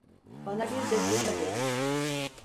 Bana bir dakika verin.